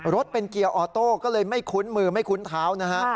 รถเป็นเกียร์ออโต้ก็เลยไม่คุ้นมือไม่คุ้นเท้านะฮะ